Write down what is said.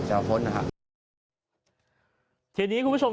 ก็ได้พลังเท่าไหร่ครับ